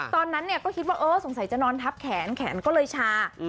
ตอนนั้นก็คิดว่าเออสงสัยจะนอนทับแขนแขนก็เลยชา